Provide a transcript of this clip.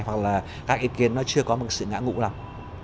hoặc là các ý kiến nó chưa có sự ngã ngụ lòng